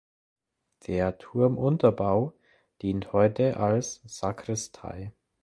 Der Turmunterbau dient heute als Sakristei.